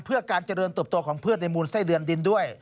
เพื่อการเจริญเติบโตของพืชในมูลไส้เดือนดินด้วย